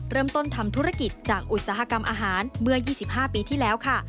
เริ่มต้นทำธุรกิจจากอุตสาหกรรมอาหารเมื่อ๒๕ปีที่แล้วค่ะ